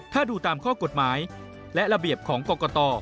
ถ้าดูตามข้อกฎหมายและระเบียบของกรกต